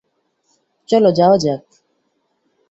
চলো যাওয়া যাক!